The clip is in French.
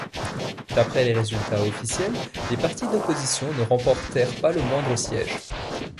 D'après les résultats officiels, les partis d'opposition ne remportèrent pas le moindre siège.